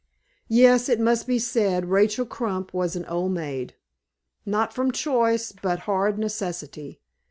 Yes; it must be said Rachel Crump was an old maid; not from choice, but hard necessity.